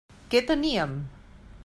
Què teníem?